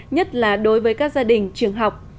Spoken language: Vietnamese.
nhất là đối với các gia đình trường học